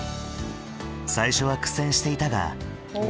最初は苦戦していたが。